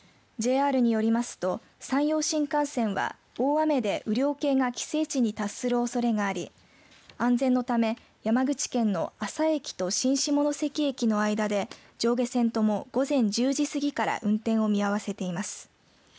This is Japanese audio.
ＪＲによりますと山陽新幹線は大雨で雨量計が規制値に達するおそれがあり安全のため山口県の厚狭駅と新下関駅の間で上下線とも午前１０時過ぎから運転を見合わせています。